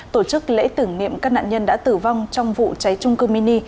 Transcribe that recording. tổ chức lễ tưởng niệm các nạn nhân đã tử vong trong vụ cháy trung cư mini